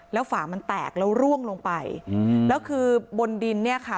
แล้วฝามันแตกแล้วร่วงลงไปอืมแล้วคือบนดินเนี่ยค่ะ